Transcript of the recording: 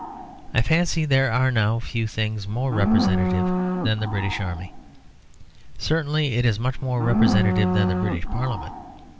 I fancy there are now few things more representative than the British Army; certainly it is much more representative than the British Parliament.